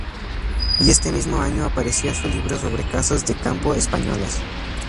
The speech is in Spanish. Y este mismo año aparecía su libro sobre casas de campo españolas.